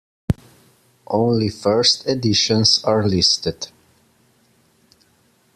Only first editions are listed.